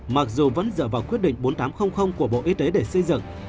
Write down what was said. mặc dù vẫn dựa vào quyết định bốn nghìn tám trăm linh của bộ y tế để xây dựng